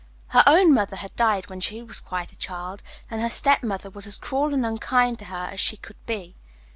Her own mother had died when she was quite a child, and her stepmother was as cruel and unkind to her as she could be.